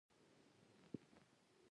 لومړی: مهربانه اوسیدل.